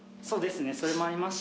それもありますし。